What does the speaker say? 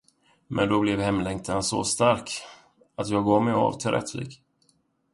Men då blev hemlängtan så stark, att jag gav mig av till Rättvik.